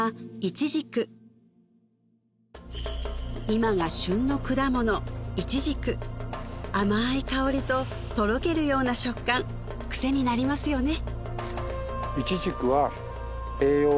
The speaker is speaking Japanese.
今が旬の果物イチジク甘い香りととろけるような食感クセになりますよね